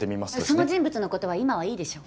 その人物のことは今はいいでしょ。